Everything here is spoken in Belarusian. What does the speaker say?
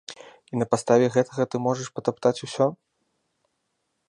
І на падставе гэтага ты можаш патаптаць усё?